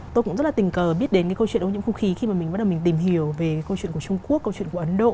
tôi cũng rất là tình cờ biết đến cái câu chuyện ô nhiễm không khí khi mà mình bắt đầu mình tìm hiểu về câu chuyện của trung quốc câu chuyện của ấn độ